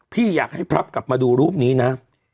พี่อยากให้พลับกลับมาดูรูปนี้นะ